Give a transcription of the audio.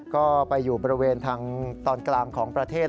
ก็ไปอยู่บริเวณทางตอนกลางของประเทศ